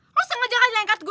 lu sengaja gak nyelengkap gue